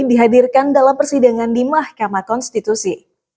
dihadirkan dalam persidangan di mahkamah konstitusi